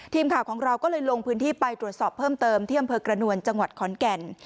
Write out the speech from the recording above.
ทีมข่าวของเราก็เลยลงพื้นที่ไปตรวจสอบเพิ่มเติมที่อำเภอกระนวลจังหวัดขอนแก่น